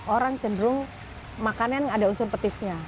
orang cenderung makan yang ada unsur petisnya